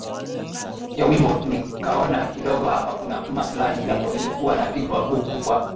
ya wimbo nikaona kidogo hapa kuna maslahi japo nilikuwa napigwa buku kwa